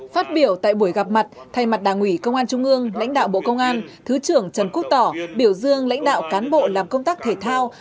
phát biểu tại buổi gặp mặt thay mặt đảng ủy công an trung ương lãnh đạo bộ công an thứ trưởng trần quốc tỏ biểu dương lãnh đạo cán bộ làm công tác thể thao